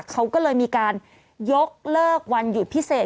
เขาก็เลยมีการยกเลิกวันหยุดพิเศษ